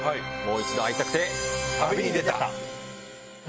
もう一度、逢いたくて旅にでた。